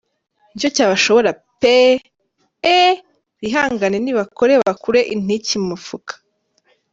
Nicyo cyabashobora peeee! Eeeee bihangane nibakore bakure intiki mu mifuka.